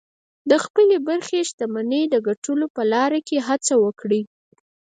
د خپلې برخې شتمنۍ د ګټلو په لاره کې هڅه وکړئ